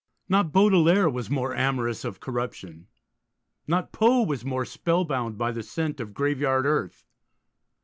Not Baudelaire was more amorous of corruption; not Poe was more spellbound by the scent of graveyard earth.